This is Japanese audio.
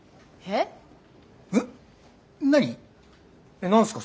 えっ何すか？